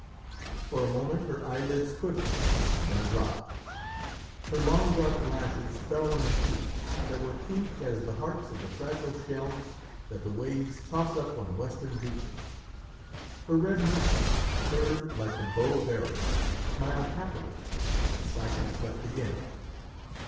For a moment her eyelids quivered, and then dropped. Her long dark lashes fell on her cheeks that were pink as the hearts of the fragile shells that the waves toss up on western beaches, her red mouth, curved like the bow of Eros, smiled happily, and Psyche slept again.